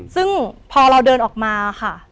ซึ่งพอเราเดินออกมาค่ะ